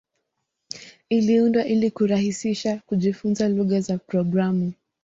Iliundwa ili kurahisisha kujifunza lugha za programu.